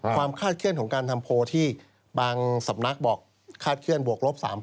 คาดเคลื่อนของการทำโพลที่บางสำนักบอกคาดเคลื่อนบวกลบ๓๐๐